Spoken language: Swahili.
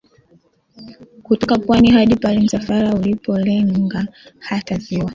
kutoka pwani hadi pale msafara ulipolenga hata Ziwa